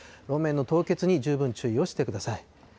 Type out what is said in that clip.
路面の凍結に十分注意をしてください。